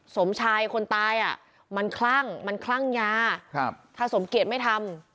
สมชายคนตายอ่ะมันคลั่งมันคลั่งยาถ้าสมเกียจไม่ทำ